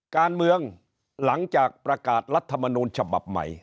การเมืองหลังจากประกาศรัฐมนูลฉบับใหม่